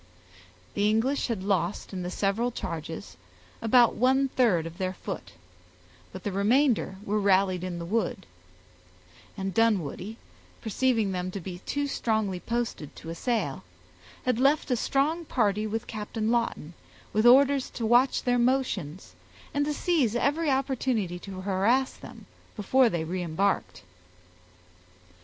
The English had lost in the several charges about one third of their foot, but the remainder were rallied in the wood; and Dunwoodie, perceiving them to be too strongly posted to assail, had left a strong party with Captain Lawton, with orders to watch their motions, and to seize every opportunity to harass them before they reëmbarked.